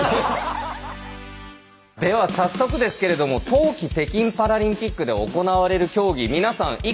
では早速ですけれども冬季北京パラリンピックで行われる競技皆さん